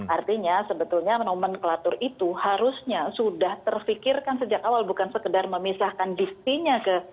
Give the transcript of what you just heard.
artinya sebetulnya nomenklatur itu harusnya sudah terfikirkan sejak awal bukan sekedar memisahkan distinya ke